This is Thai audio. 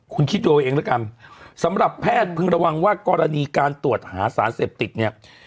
คุณคิดดูเอาเองแล้วกันสำหรับแพทย์พึงระวังว่ากรณีการตรวจหาสารเสพติดเนี่ย